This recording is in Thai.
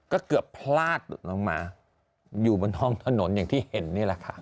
ก็เกือบพลาดหลุดลงมาอยู่บนท้องถนนอย่างที่เห็นนี่แหละค่ะ